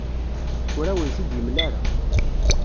Ur awen-t-id-yemla ara.